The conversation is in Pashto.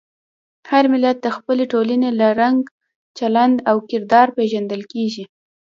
هر ملت د خپلې ټولنې له رنګ، چلند او کردار پېژندل کېږي.